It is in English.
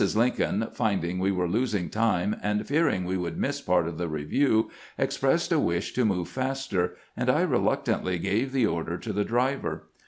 Lincoln, finding we were losing time, and fearing we would miss part of the review, ex pressed a wish to move faster, and I reluctantly gave the order to the driver.